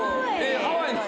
ハワイの。